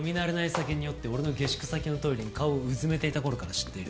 酒に酔って俺の下宿先のトイレに顔をうずめていた頃から知っている。